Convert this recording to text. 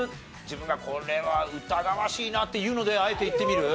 自分がこれは疑わしいなっていうのであえていってみる？